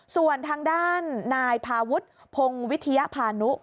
ส่วนทางด้านนายพาวุฒิพงศ์วิทยาพานุ